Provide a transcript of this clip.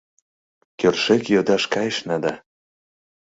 Кӧршӧк йодаш кайышна да